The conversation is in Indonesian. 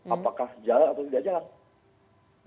apakah jalan atau tidak jalan